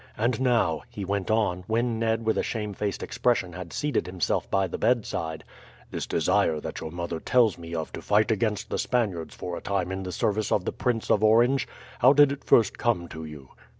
And now," he went on, when Ned with a shamefaced expression had seated himself by the bedside, "this desire that your mother tells me of to fight against the Spaniards for a time in the service of the Prince of Orange, how did it first come to you?"